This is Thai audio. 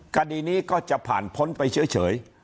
คดีนี้ก็จะผ่านพ้นไปเฉย